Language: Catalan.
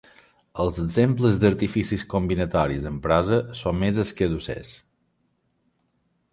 Els exemples d'artificis combinatoris en prosa són més escadussers.